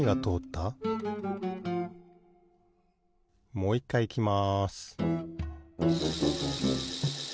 もういっかいいきます